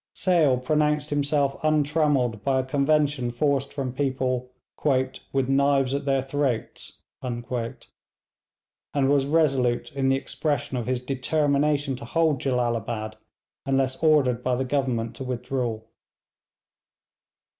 Sale pronounced himself untrammelled by a convention forced from people 'with knives at their throats,' and was resolute in the expression of his determination to hold Jellalabad unless ordered by the Government to withdraw.